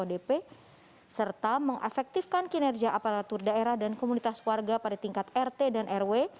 odp serta mengefektifkan kinerja aparatur daerah dan komunitas warga pada tingkat rt dan rw